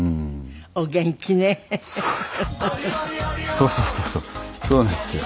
そうそうそうそうそうなんですよ。